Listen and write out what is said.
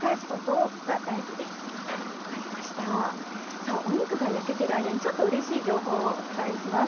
さあお肉が焼けてる間にちょっとうれしい情報をお伝えします。